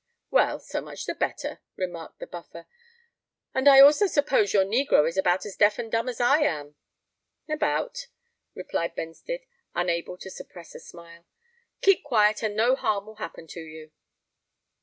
"Well—so much the better," remarked the Buffer. "And I also suppose your negro is about as deaf and dumb as I am?" "About," replied Benstead, unable to suppress a smile. "Keep quiet, and no harm will happen to you."